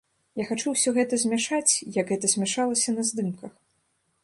Я хачу ўсё гэта змяшаць, як гэта змяшалася на здымках.